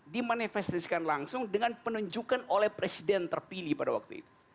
dimanifestasikan langsung dengan penunjukan oleh presiden terpilih pada waktu itu